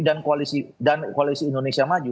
dan koalisi indonesia maju